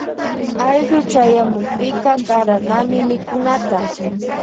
Ayllu chayamukpika karanami mikunata.